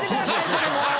それもう。